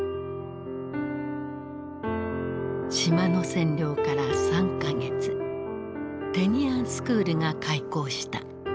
島の占領から３か月テニアンスクールが開校した。